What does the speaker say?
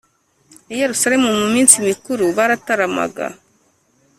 i Yerusalemu mu minsi mikuru barataramaga